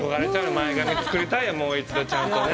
前髪つくりたいともう一度ちゃんとね。